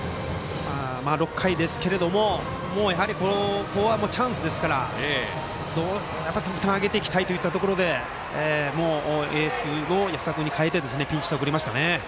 ６回ですけれども、ここはチャンスですから点を挙げていきたいといったところでもうエースの安田君に代えてピンチヒッターを送りましたね。